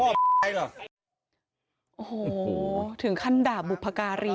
โอ้โหถึงขั้นด่าบุพการี